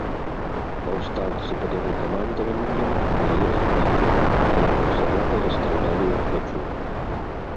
Паўстанцы пад яго камандаваннем былі разбіты, а яго самога расстралялі ў Рагачове